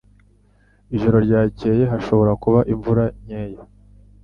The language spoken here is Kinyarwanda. Ijoro ryakeye hashobora kuba imvura nkeya.